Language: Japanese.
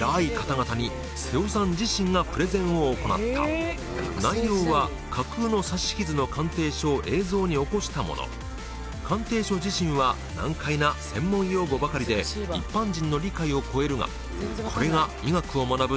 東大では内容は架空の刺し傷の鑑定書を映像に起こしたもの鑑定書自身は難解な専門用語ばかりで一般人の理解を超えるがこれが医学を学ぶ